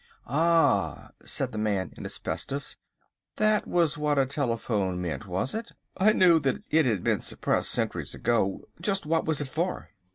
"Ah," said the Man in Asbestos, "that was what a telephone meant, was it? I knew that it had been suppressed centuries ago. Just what was it for?"